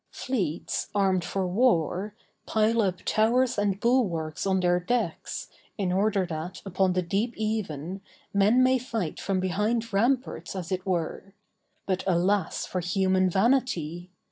Fleets, armed for war, pile up towers and bulwarks on their decks, in order that, upon the deep even, men may fight from behind ramparts as it were. But alas for human vanity!